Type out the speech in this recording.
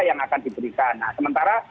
yang akan diberikan nah sementara